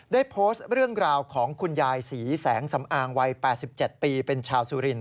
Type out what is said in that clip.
ได้โพสต์เรื่องราวของคุณยายศรีแสงสำอางวัย๘๗ปีเป็นชาวสุรินท